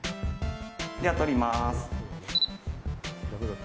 では、撮ります。